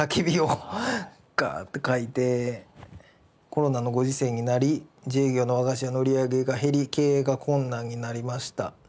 「コロナのご時世になり自営業の和菓子屋の売り上げが減り経営が困難になりました。